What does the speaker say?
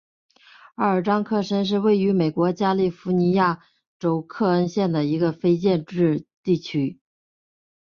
奥尔章克申是位于美国加利福尼亚州克恩县的一个非建制地区。